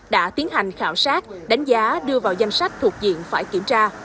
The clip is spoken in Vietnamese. đã tiến hành khảo sát đánh giá đưa vào danh sách thuộc diện phải kiểm tra